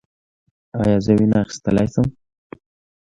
ایا زه وینه اخیستلی شم؟